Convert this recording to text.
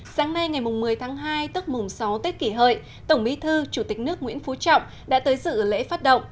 sáng nay ngày một mươi tháng hai tức mùng sáu tết kỷ hợi tổng bí thư chủ tịch nước nguyễn phú trọng đã tới sự lễ phát động